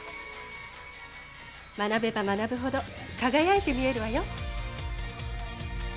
学べば学ぶほど輝いて見えるわよ。